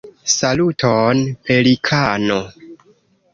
Saluton Pelikano!